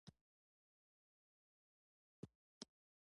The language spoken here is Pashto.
پسه د افغانستان یو ډېر لوی طبعي ثروت دی.